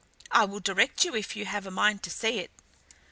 I will direct you if you have a mind to see it."